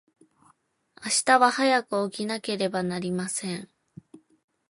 明日は早く起きなければなりません。